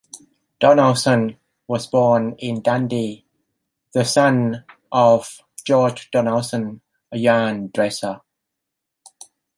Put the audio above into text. Donaldson was born in Dundee, the son of George Donaldson, a yarn dresser.